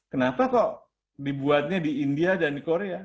kenapa kok dibuatnya di india dan di korea